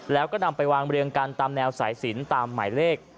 แล้วก็นำไปวางเรียงกันตามแนวสายสินตามหมายเลข